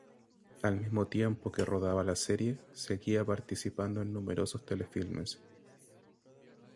Al mismo tiempo que rodaba la serie seguía participando en numerosos telefilmes.